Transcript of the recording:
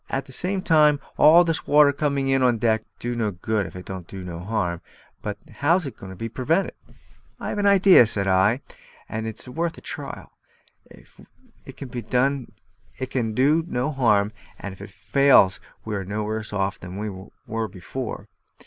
At the same time, all this water coming in on deck don't do no good if it don't do no harm; but how's it to be pervented?" "I have an idea," said I, "and it's worth a trial. It can do no harm, and if it fails we are no worse off than we were before."